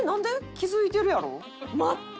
気付いてるやろ？